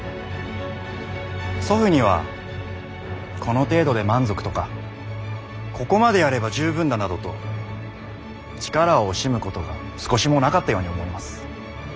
祖父にはこの程度で満足とかここまでやれば十分だなどと力を惜しむことが少しもなかったように思います。